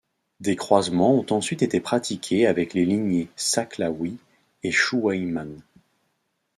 Des croisements ont ensuite été pratiqués avec les lignées Saqlawi et Chûwayman.